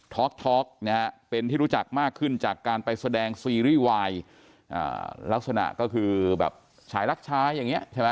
ท็อกนะฮะเป็นที่รู้จักมากขึ้นจากการไปแสดงซีรีส์วายลักษณะก็คือแบบฉายรักช้าอย่างนี้ใช่ไหม